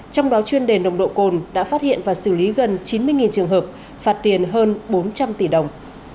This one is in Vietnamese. trong đó chuyên đề nồng độ cồn đã phát hiện và xử lý gần chín mươi trường hợp phạt tiền hơn bốn trăm linh tỷ đồng